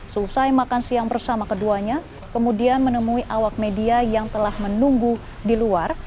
selesai makan siang bersama keduanya kemudian menemui awak media yang telah menunggu di luar